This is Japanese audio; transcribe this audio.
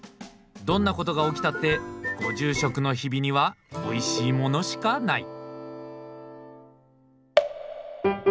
どんなことが起きたってご住職の日々にはおいしいものしかない。